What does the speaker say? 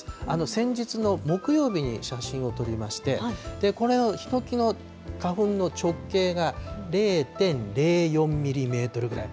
先日の木曜日に写真を撮りまして、ヒノキの花粉の直径が０．０４ミリメートルぐらい。